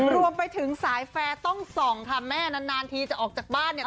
รวมไปถึงสายแฟร์ต้องส่องค่ะแม่นานทีจะออกจากบ้านเนี่ย